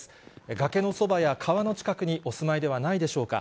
崖のそばや川の近くにお住まいではないでしょうか。